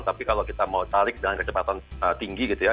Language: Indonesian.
tapi kalau kita mau tarik dengan kecepatan tinggi gitu ya